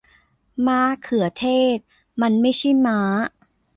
ม้าเขือเทศ มันไม่ใช่ม้า